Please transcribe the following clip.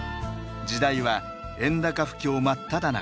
時代は円高不況真っただ中。